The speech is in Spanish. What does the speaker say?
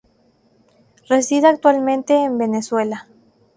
Reside actualmente en Venezuela.